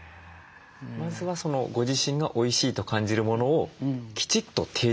まずはご自身がおいしいと感じるものをきちっと提示するという。